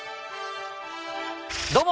どうも！